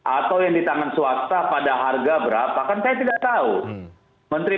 atau yang di tangan swasta pada harga berapa kan saya tidak tahu menteri